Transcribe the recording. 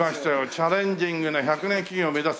チャレンジングな１００年企業を目指す。